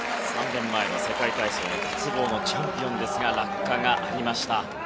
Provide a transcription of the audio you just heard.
３年前の世界体操、鉄棒のチャンピオンですが落下がありました。